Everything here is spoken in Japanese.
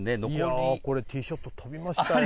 いや、ティーショット、飛びましたよ。